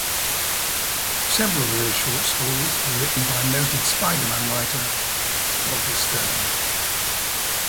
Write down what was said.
Several of those short stories were written by noted Spider-Man writer Roger Stern.